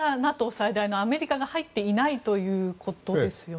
最大のアメリカが入っていないということですよね。